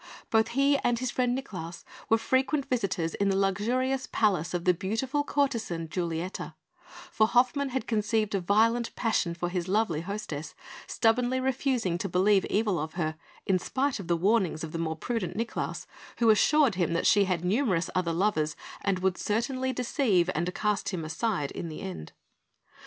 Both he and his friend, Nicklaus, were frequent visitors in the luxurious palace of the beautiful courtesan, Giulietta; for Hoffmann had conceived a violent passion for his lovely hostess, stubbornly refusing to believe evil of her, in spite of the warnings of the more prudent Nicklaus, who assured him that she had numerous other lovers and would certainly deceive and cast him aside in the end.